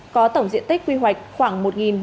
có tổng diện tích quy hoạch khoảng